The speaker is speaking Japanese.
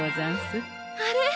あれ！？